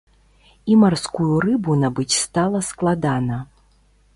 І марскую рыбу набыць стала складана.